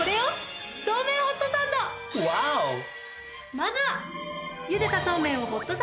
まずは。